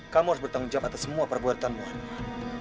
kamu harus bertanggung jawab atas semua perbuatanmu orang